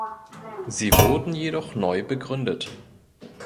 Sie wurden jedoch neu begründet.